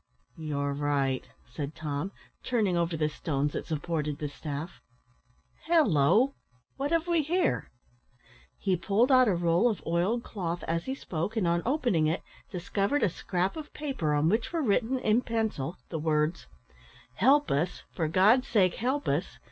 "You are right," said Tom, turning over the stones that supported the staff "halloo! what have we here?" He pulled out a roll of oiled cloth as he spoke, and, on opening it, discovered a scrap of paper, on which were written, in pencil, the words, "_Help us! for God's sake help us!